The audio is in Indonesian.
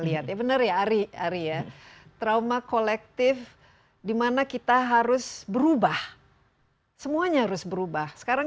lihat ya benar ya ari ari ya trauma kolektif dimana kita harus berubah semuanya harus berubah sekarang